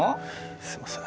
すいません